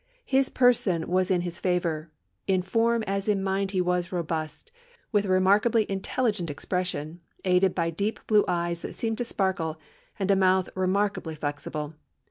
His person was in his favour; in form as in mind he was robust, with a remarkably intelligent expression, aided by deep blue eyes that seemed to sparkle, and a mouth remarkably flexible.